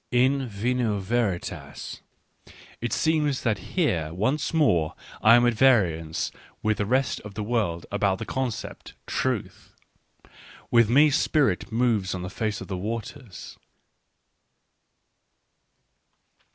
In vino Veritas : it seems that here once more I am at variance with the rest of the world about the concept " Truth "— with me spirit moves on the face of the waters.